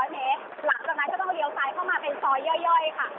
หลังจากนั้นก็ต้องเลี้ยวซ้ายเข้ามาเป็นซอยย่อยค่ะ